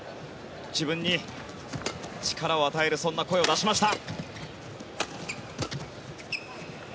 自分に力を与えるそんな声を出しました。